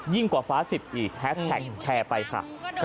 กว่าฟ้า๑๐อีกแฮสแท็กแชร์ไปค่ะ